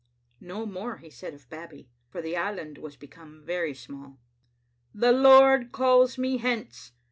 No more he said of Babbie, for the island was be come very small. " The Lord calls me hence.